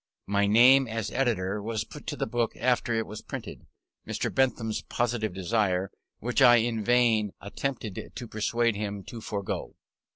My name as editor was put to the book after it was printed, at Mr. Bentham's positive desire, which I in vain attempted to persuade him to forego.